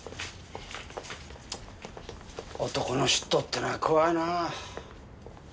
男の嫉妬ってのは怖いなあ。